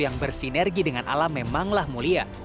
yang bersinergi dengan alam memanglah mulia